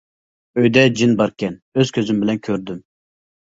ئۆيدە جىن باركەن، ئۆز كۆزۈم بىلەن كۆردۈم.